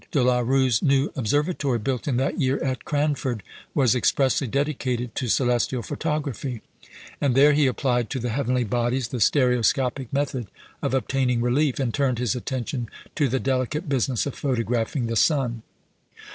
De la Rue's new observatory, built in that year at Cranford, was expressly dedicated to celestial photography; and there he applied to the heavenly bodies the stereoscopic method of obtaining relief, and turned his attention to the delicate business of photographing the sun.